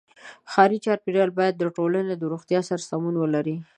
ښاري چاپېریال باید د ټولنې د روغتیا سره سمون ولري.